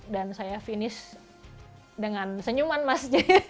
dan saya finish dengan senyuman mas